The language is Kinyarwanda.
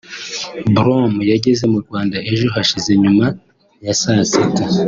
Brom yageze mu Rwanda ejo hashize nyuma ya saa sita